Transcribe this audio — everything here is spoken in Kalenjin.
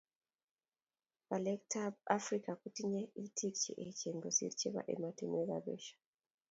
Belek tab Africa kotinye itik cheechen kosir chebo emotinwek kab Asia